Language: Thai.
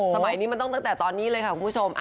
สมัยนี้มันต้องตั้งแต่ตอนนี้เลยค่ะคุณผู้ชม